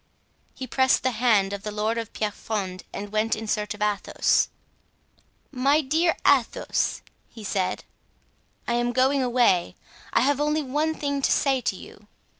He pressed the hand of the lord of Pierrefonds and went in search of Athos. "My dear Athos," he said, "I am going away. I have only one thing to say to you.